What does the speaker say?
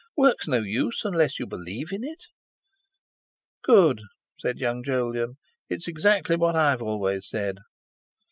Work's no use unless you believe in it!" "Good," said young Jolyon; "it's exactly what I've always said.